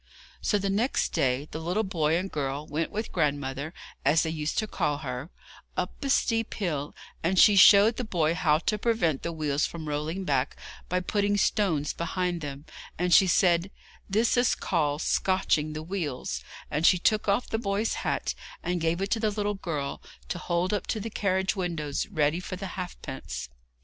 So the next day the little boy and girl went with their grandmother, as they used to call her, up the steep hill, and she showed the boy how to prevent the wheels from rolling back by putting stones behind them, and she said: 'This is called scotching the wheels,' and she took off the boy's hat and gave it to the little girl to hold up to the carriage windows ready for the halfpence.